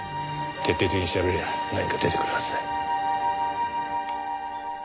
徹底的に調べりゃ何か出てくるはずだ。